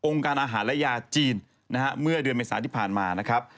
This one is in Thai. การอาหารและยาจีนนะฮะเมื่อเดือนเมษาที่ผ่านมานะครับ